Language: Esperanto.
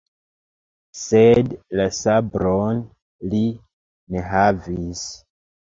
Sed la sabron li ne havis!